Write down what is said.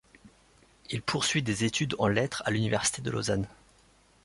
Il poursuit des études en lettres à l'Université de Lausanne.